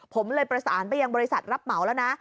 ผมเลยประสานไปยังบริษัทรับเหมาแล้วนะ